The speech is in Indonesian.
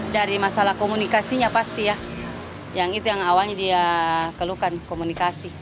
dari masalah komunikasinya pasti ya yang itu yang awalnya dia keluhkan komunikasi